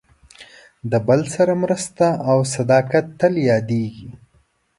د بل سره مرسته او صداقت تل یادېږي.